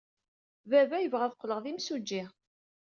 Baba yebɣa ad qqleɣ d imsujji.